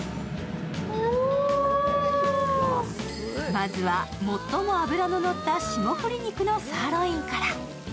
まずは最も脂ののった霜降り肉のサーロインから。